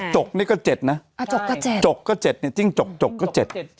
จกนี่ก็เจ็ดนะกระจกก็เจ็ดจกก็เจ็ดเนี่ยจิ้งจกจกก็เจ็ด